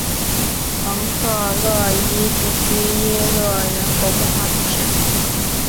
蒙特勒伊地区希勒人口变化图示